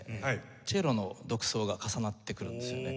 チェロの独奏が重なってくるんですよね。